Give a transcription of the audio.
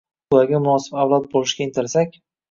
Ularga munosib avlod bo‘lishga intilsak